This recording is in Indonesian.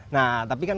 nah tapi kan